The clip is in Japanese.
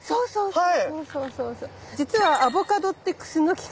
はい。